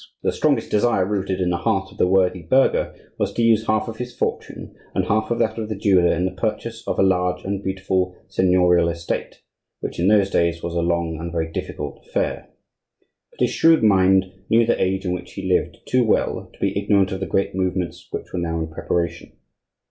The strongest desire rooted in the heart of the worthy burgher was to use half of his fortune and half of that of the jeweller in the purchase of a large and beautiful seignorial estate, which, in those days, was a long and very difficult affair. But his shrewd mind knew the age in which he lived too well to be ignorant of the great movements which were now in preparation.